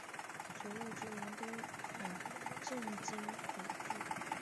左右之人都很震惊恐惧。